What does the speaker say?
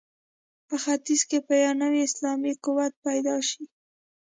په ختیځ کې به یو نوی اسلامي قوت پیدا شي.